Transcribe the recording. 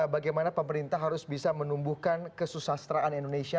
bagaimana pemerintah harus bisa menumbuhkan kesusastraan indonesia